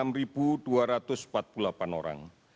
enam dua ratus empat puluh delapan orang